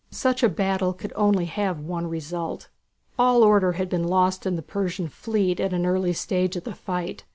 Such a battle could have only one result. All order had been lost in the Persian fleet at an early stage of the fight.